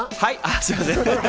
すみません。